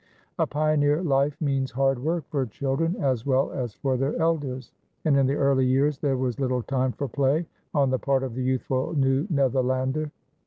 A pioneer life means hard work for children as well as for their elders, and in the early years there was little time for play on the part of the youthful New Netherlander.